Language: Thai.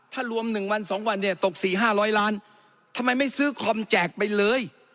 ถ้ารวม๑วัน๒วันเนี่ยตก๔๕๐๐ล้านทำไมไม่ซื้อคอมแจกไปเลย